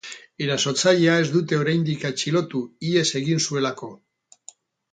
Erasotzailea ez dute oraindik atxilotu, ihes egin zuelako.